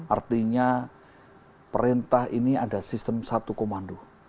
artinya perintah ini ada sistem satu komando